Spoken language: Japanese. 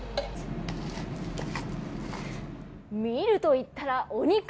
ミルといったらお肉。